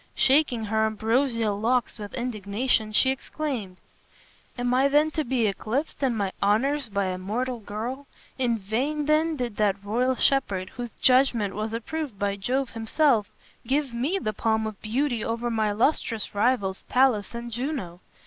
Shaking her ambrosial locks with indignation, she exclaimed, "Am I then to be eclipsed in my honors by a mortal girl? In vain then did that royal shepherd, whose judgment was approved by Jove himself, give me the palm of beauty over my illustrious rivals, Pallas and Juno.